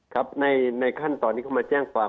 ครับในขั้นตอนที่เขามาแจ้งความ